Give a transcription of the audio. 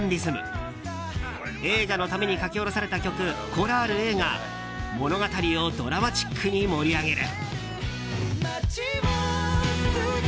映画のために書き下ろされた曲「ＣｈｏｒａｌＡ」が物語をドラマチックに盛り上げる。